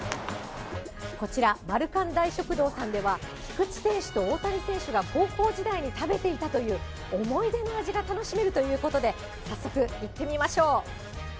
こちらマルカン大食堂さんでは、菊池選手と大谷選手が高校時代に食べていたという思い出の味が楽しめるということで、早速、行ってみましょう。